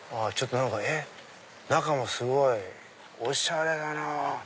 中もすごいおしゃれだなぁ。